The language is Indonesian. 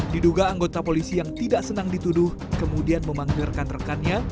diduga anggota polisi yang tidak senang dituduh kemudian memanggilkan rekannya